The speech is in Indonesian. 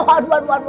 aduh aduh aduh